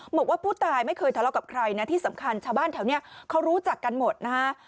บอกว่าผู้ตายไม่เคยทะเลาะกับใครนะที่สำคัญชาวบ้านแถวนี้เขารู้จักกันหมดนะฮะ